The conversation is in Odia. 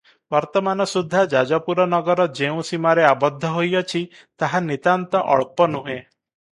ବର୍ତ୍ତମାନ ସୁଦ୍ଧା ଯାଜପୁର ନଗର ଯେଉଁ ସୀମାରେ ଆବଦ୍ଧ ହୋଇଅଛି ତାହା ନିତାନ୍ତ ଅଳ୍ପ ନୂହେ ।